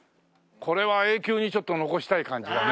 これは永久に残したい感じだね。